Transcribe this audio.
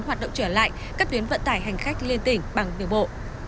hoạt động trở lại các tuyến vận tải hành khách liên tỉnh bằng đường bộ